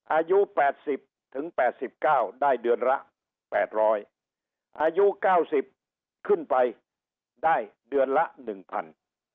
อายุแปดสิบถึงแปดสิบเก้าได้เดือนละแปดร้อยอายุเก้าสิบขึ้นไปได้เดือนละหนึ่งพัน